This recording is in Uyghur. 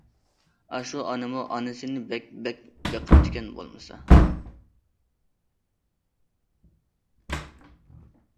ئاشۇ ئانىمۇ ئانىسىنى بەك بەك بېقىپتىكەن بولمىسا.